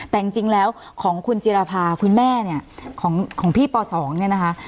แต่จริงแล้วของคุณจิรภาคุณแม่เนี่ยของพี่ป๒เนี่ยนะคะ